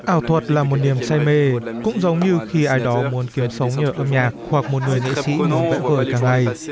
ảo thuật là một niềm say mê cũng giống như khi ai đó muốn kiếm sống nhờ âm nhạc hoặc một người nghệ sĩ nhìn bẽ khởi tháng ngày